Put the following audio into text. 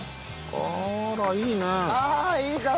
あらいいね。